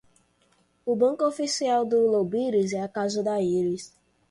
o banco oficial do lobiris é a casa da íris